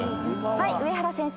はい上原先生。